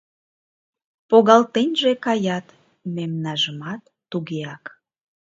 Погалтенже каят мемнажымат тугеак.